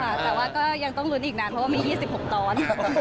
แต่ว่าก็ยังต้องลุ้นอีกนานเพราะว่ามี๒๖ตอน